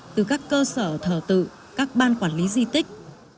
từ các cơ sở thờ tự các ban quản lý di tích